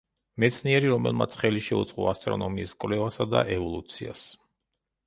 მეცნიერი, რომელმაც ხელი შეუწყო ასტრონომიის კვლევასა და ევოლუციას.